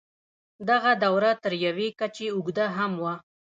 دغه دوره تر یوې کچې اوږده هم وه.